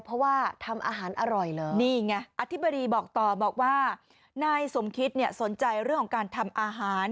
เพราะว่าทำอาหารอร่อยเลยนี่ไงอธิบดีบอกต่อบอกว่านายสมคิดเนี่ยสนใจเรื่องของการทำอาหาร